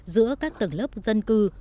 giữa các tầng lớp dân cư